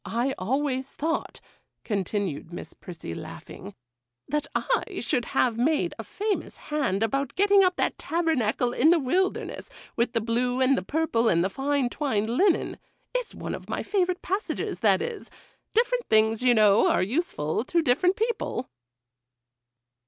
I always thought,' continued Miss Prissy, laughing, 'that I should have made a famous hand about getting up that tabernacle in the wilderness, with the blue and the purple and fine twined linen; it's one of my favourite passages, that is;—different things, you know, are useful to different people.